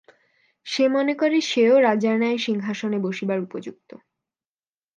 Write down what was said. সে মনে করে, সেও রাজার ন্যায় সিংহাসনে বসিবার উপযুক্ত।